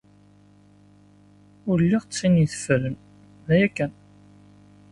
Ur lliɣ d tin iteffren, d aya kan.